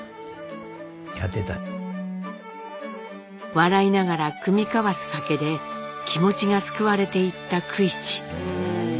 笑いながら酌み交わす酒で気持ちが救われていった九一。